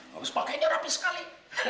habis pakainya rapi sekali